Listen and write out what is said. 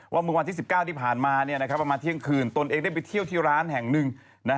เมื่อวันที่๑๙ที่ผ่านมาประมาณเที่ยงคืนตนเองได้ไปเที่ยวที่ร้านแห่งหนึ่ง